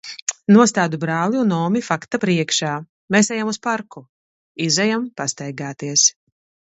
Nostādu brāli un omi fakta priekšā: "Mēs ejam uz parku!" Izejam pastaigāties.